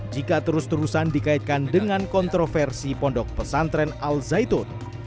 jika terus terusan dikaitkan dengan kontroversi pondok pesantren al zaitun